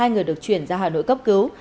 hai người được chuyển ra hà nội cấp cứu